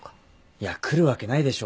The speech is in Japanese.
いや来るわけないでしょ。